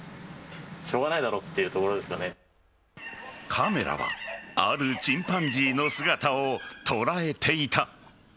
カメラはあるチンパンジーの姿を捉えていた。